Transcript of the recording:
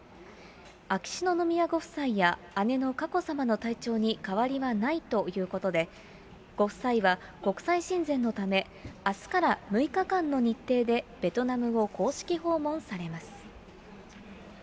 秋篠宮ご夫妻や姉の佳子さまの体調に変わりはないということで、ご夫妻は、国際親善のため、あすから６日間の日程で、ベトナムを公式訪問されます。